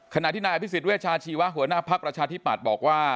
ขณะที่นายพิศิษฐ์แว่ชาชีวะหัวหน้าพักรรชาธิบัตรบอกว่า